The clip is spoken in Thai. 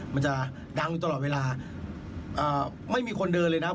มันจะดังอยู่ตลอดเวลาไม่มีคนเดินเลยนะ